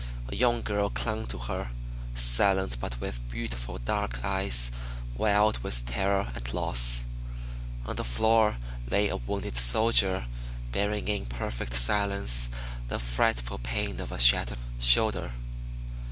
A young girl clung to her, silent but with beautiful dark eyes wild with terror and loss. On the floor lay a wounded soldier, bearing in perfect silence the frightful pain of a shattered shoulder.